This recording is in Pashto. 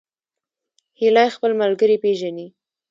هیلۍ خپل ملګري پیژني